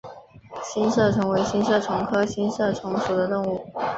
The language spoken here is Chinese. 星射虫为星射虫科星射虫属的动物。